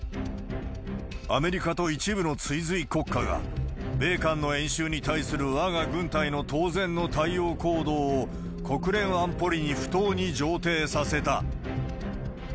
アメリカと一部の追随国家が、米韓の演習に対するわが軍隊の当然の対応行動を国連安保理に不当に上程させた。